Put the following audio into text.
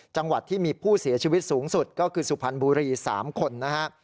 จังหวัดที่มีผู้เสียชีวิตสูงสุดก็คือสุพรรณบุรี๓คนนะฮะ